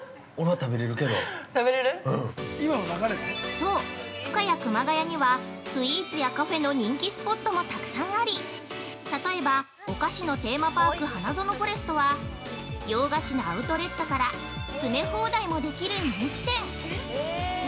◆そう、深谷・熊谷にはスイーツやカフェの人気スポットもたくさんあり例えば、お菓子のテーマパーク花園フォレストは洋菓子のアウトレットから詰め放題もできる人気店。